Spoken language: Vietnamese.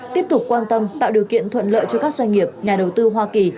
tiếp tục quan tâm tạo điều kiện thuận lợi cho các doanh nghiệp nhà đầu tư hoa kỳ